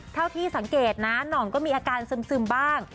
เท่าที่สังเกตนะหน่องก็มีอาการซึมบ้าง